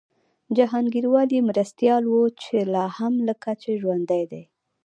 جهانګیروال یې مرستیال و چي لا هم لکه چي ژوندی دی